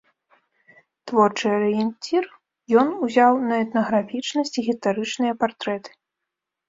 Творчы арыенцір ён узяў на этнаграфічнасць і гістарычныя партрэты.